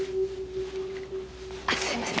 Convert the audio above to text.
あっすいません